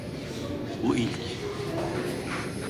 Bu ilk.